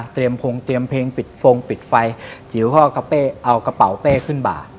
พงเตรียมเพลงปิดฟงปิดไฟจิ๋วเขาก็กระเป้เอากระเป๋าเป้ขึ้นบ่า